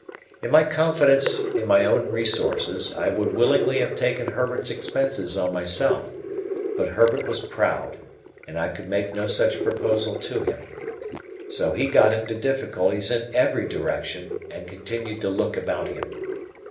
In my confidence in my own resources, I would willingly have taken Herbert's expenses on myself; but Herbert was proud, and I could make no such proposal to him. So he got into difficulties in every direction, and continued to look about him.